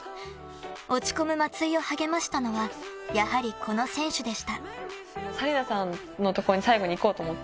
落ち込む松井を励ましたのはやはり、この選手でした。